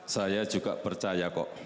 saya juga percaya kok